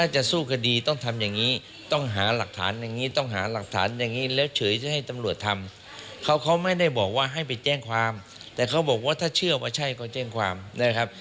แจ้งความแต่เขาบอกว่าถ้าเชื่อว่าใช่ก็แจ้งความได้ครับ